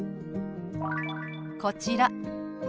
こちら。